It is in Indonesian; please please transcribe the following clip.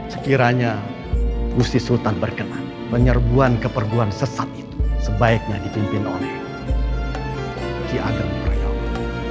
sekiranya usti sultan berkenan penyerbuan keperbuan sesat itu sebaiknya dipimpin oleh kei agang prayogo